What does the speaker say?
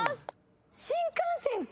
新幹線か！